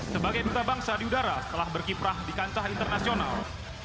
sebagai duta bangsa di udara setelah berkiprah di kancah internasional